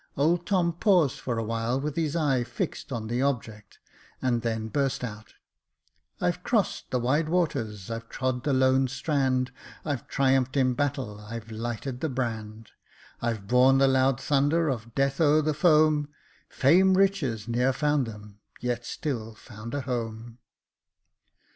Old Tom paused for a while, with his eyes fixed on the object, and then burst out :" I've crossed the wide waters, I've trod the lone strand, I've triumph'd in battle, I've lighted the brand ; I've borne the loud thunder of death o'er the foam ; Fame, riches, ne'er found them, — yet still found a home.